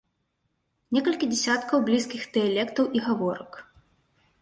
Некалькі дзесяткаў блізкіх дыялектаў і гаворак.